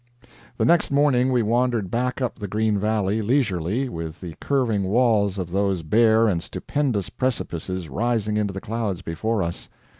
The next morning we wandered back up the green valley, leisurely, with the curving walls of those bare and stupendous precipices rising into the clouds before us.